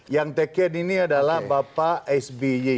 yang taken ini adalah bapak sby